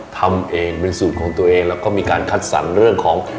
ทำเองเป็นสูตรของตัวเองแล้วก็มีการคัดสรรเรื่องของ